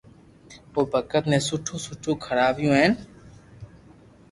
او بگت ني سٺو سٺو کراويو ھين